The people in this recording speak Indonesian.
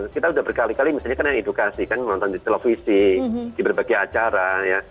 kita sudah berkali kali misalnya kan yang edukasi kan menonton di televisi di berbagai acara ya